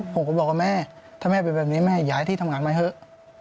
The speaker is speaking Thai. ผมก็บอกว่าแม่ถ้าแม่เป็นแบบนี้แม่ย้ายที่ทำงานมาเถอะ